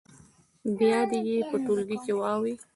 بیا دې یې په ټولګي کې ووایي.